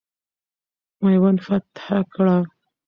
میوند فتح کړه.